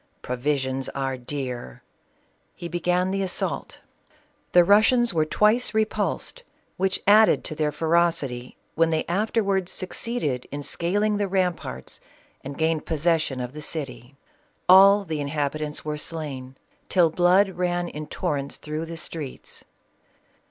Provi sions are dear!" he began the assault. The Russians CATHERINE OF RUSSIA. 433 were twice repulsed, which added to their ferocity when they afterwards succeeded in scaling the ram parts and gained possession of the city. All the inhab itants were slain, till blood ran in torrents through the streets.